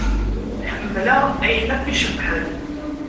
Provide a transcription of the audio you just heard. Ḥemmleɣ ayen akk icebḥen.